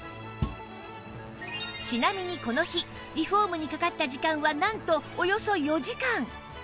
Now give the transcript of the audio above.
ちなみにこの日リフォームにかかった時間はなんとおよそ４時間